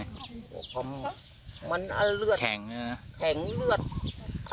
ห้งเลือดะ